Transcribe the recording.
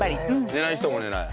寝ない人も寝ない？